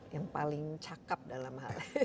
yang paling cakep dalam hal ini